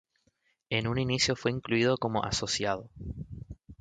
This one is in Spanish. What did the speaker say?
En un inicio fue incluido como asociado'.